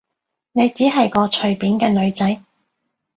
你只係個隨便嘅女仔